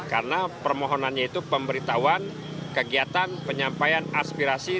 karena permohonannya itu pemberitahuan kegiatan penyampaian aspirasi